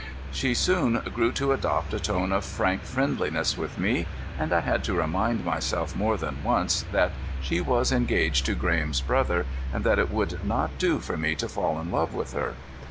She soon grew to adopt a tone of frank friendliness with me, and I had to remind myself more than once that she was engaged to Graham's brother, and that it would not do for me to fall in love with her.